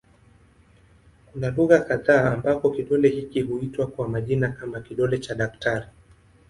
Kuna lugha kadha ambako kidole hiki huitwa kwa majina kama "kidole cha daktari".